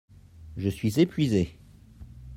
Je suis épuisé.